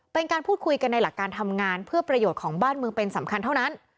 เป็นการพูดคุยกันในหลักการทำงานเพื่อประโยชน์ของบ้านเมืองเป็นสำคัญเท่านั้น